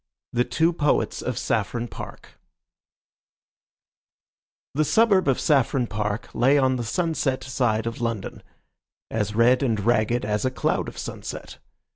THE TWO POETS OF SAFFRON PARK The suburb of Saffron Park lay on the sunset side of London, as red and ragged as a cloud of sunset.